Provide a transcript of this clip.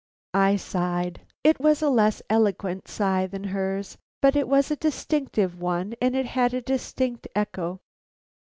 I sighed. It was a less eloquent sigh than hers, but it was a distinct one and it had a distinct echo.